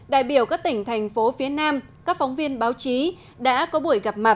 đại biểu các tỉnh thành phố phía nam các phóng viên báo chí đã có buổi gặp mặt